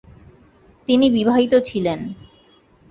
তিনি বিবাহিত ছিলেন।